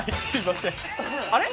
あれ？